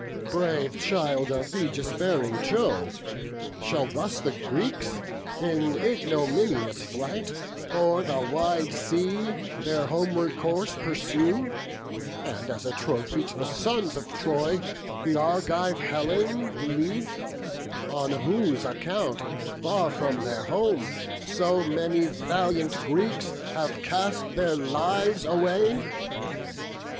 brave child of aegis bearing Jove, Shall thus the Greeks, in ignominious flight, O'er the wide sea their homeward course pursue, And as a trophy to the sons of Troy The Argive Helen leave, on whose account, Far from their home, so many valiant Greeks Have cast their lives away?